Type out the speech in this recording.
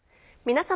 皆様。